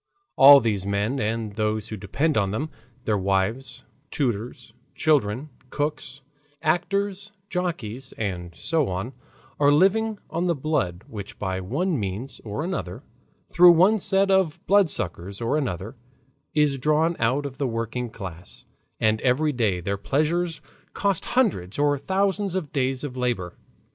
All these men and those who depend on them, their wives, tutors, children, cooks, actors, jockeys, and so on, are living on the blood which by one means or another, through one set of blood suckers or another, is drawn out of the working class, and every day their pleasures cost hundreds or thousands of days of labor.